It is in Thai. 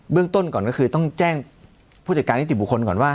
เรื่องต้นก่อนก็คือต้องแจ้งผู้จัดการนิติบุคคลก่อนว่า